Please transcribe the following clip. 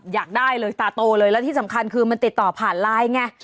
อยากได้เลยตาโตเลยแล้วที่สำคัญคือมันติดต่อผ่านไลน์ไง